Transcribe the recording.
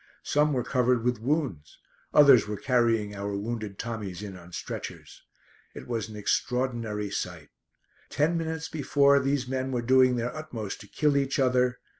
Some were covered with wounds, others were carrying our wounded Tommies in on stretchers. It was an extraordinary sight. Ten minutes before these men were doing their utmost to kill each other.